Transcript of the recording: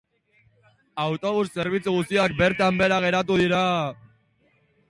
Autobus zerbitzu guztiak bertan behera geratu dira.